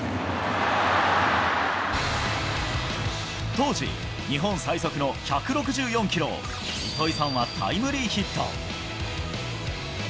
当時、日本最速の１６４キロを、糸井さんはタイムリーヒット。